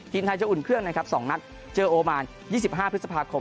ทีมไทยจะอุ่นเครื่องนะครับ๒นัดเจอโอมาน๒๕พฤษภาคม